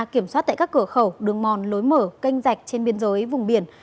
kiểm soát tại các cửa khẩu đường mòn lối mở kênh dạch trên biên giới vùng biển